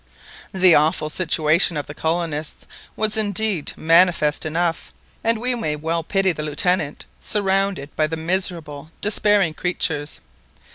The awful situation of the colonists was indeed manifest enough, and we may well pity the Lieutenant surrounded by the miserable despairing creatures.